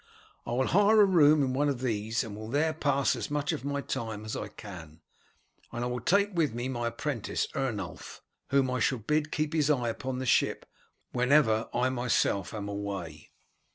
I will hire a room in one of these, and will there pass as much of my time as I can; and I will take with me my apprentice Ernulf, whom I shall bid keep his eye upon the ship whenever I myself am away.